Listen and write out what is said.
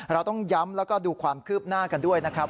เราต้องย้ำแล้วก็ดูความคืบหน้ากันด้วยนะครับ